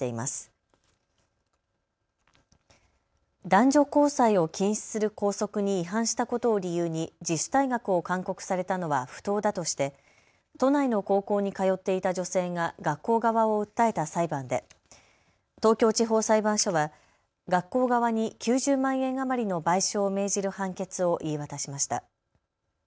男女交際を禁止する校則に違反したことを理由に自主退学を勧告されたのは不当だとして都内の高校に通っていた女性が学校側を訴えた裁判で東京地方裁判所は学校側に９０万円余りの賠償を命じる判決を言い渡しました。